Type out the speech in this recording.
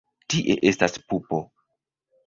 Tie estas pupo.